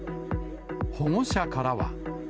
保護者からは。